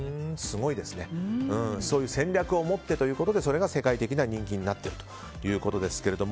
そういう戦略を持ってということで、それが世界的な人気になっているということですが。